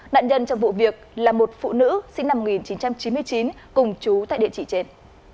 nạn nhân trong vụ việc là một phụ nữ sinh năm một nghìn chín trăm chín mươi chín cùng chú tại địa chỉ trên